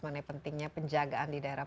mengenai pentingnya penjagaan di daerah